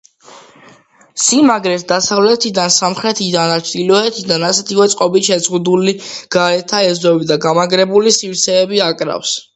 სიმაგრეს დასავლეთიდან, სამხრეთიდან და ჩრდილოეთიდან ასეთივე წყობით შემოზღუდული გარეთა ეზოები თუ გამაგრებული სივრცეები აკრავს.